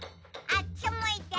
あっちむいて。